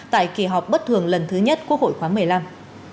tại kỳ họp bất thường lần thứ nhất quốc hội khoáng một mươi năm